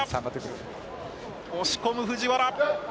押し込む藤原。